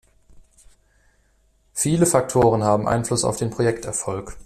Viele Faktoren haben Einfluss auf den Projekterfolg.